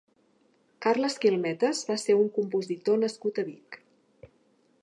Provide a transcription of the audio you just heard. Carles Quilmetes va ser un compositor nascut a Vic.